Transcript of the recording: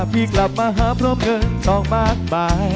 พี่กลับมาหาพรมเงินทองมากมาย